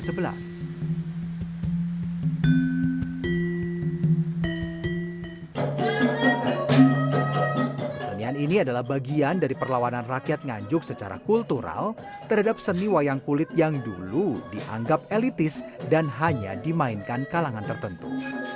kesenian ini adalah bagian dari perlawanan rakyat nganjuk secara kultural terhadap seni wayang kulit yang dulu dianggap elitis dan hanya dimainkan kalangan tertentu